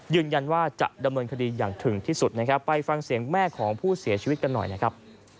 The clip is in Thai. ยืนยันว่าจะดำเนินคดีอย่างถึงที่สุดนะครับไปฟังเสียงแม่ของผู้เสียชีวิตกันหน่อยนะครับ